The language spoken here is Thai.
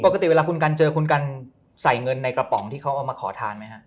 ปกติเวลาคุณกันเจอคุณกันใส่เงินในกระป๋องที่เขาเอามาขอทานไหมฮะ